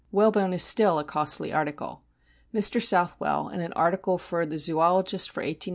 Whalebone is still a costly article. Mr. Southwell, in an article in the Zoologist for 1897 (p.